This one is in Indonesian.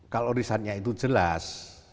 kalau resultnya itu jelas